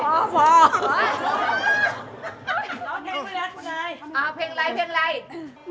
เพลงไหน